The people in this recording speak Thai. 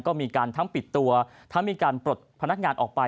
ก็มีการทั้งปิดตัวทั้งมีการปลดพนักงานออกไป